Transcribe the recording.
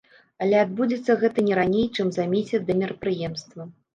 Але адбудзецца гэта не раней, чым за месяц да мерапрыемства.